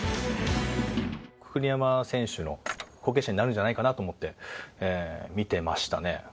栗山選手の後継者になるんじゃないかなと思って見てましたね。